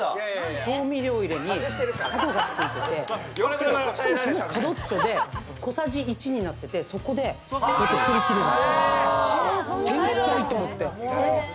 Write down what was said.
調味料入れに角がついてて、その角っちょで小さじ１杯になってて、それですり切れる。